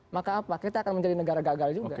maka apa kita akan menjadi negara gagal juga